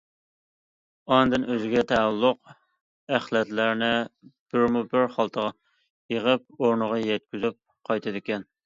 ئاندىن ئۆزىگە تەئەللۇق ئەخلەتلەرنى بىرمۇ بىر خالتىغا يىغىپ، ئورنىغا يەتكۈزۈپ قايتىدىكەن.